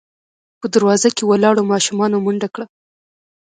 په دروازه کې ولاړو ماشومانو منډه کړه.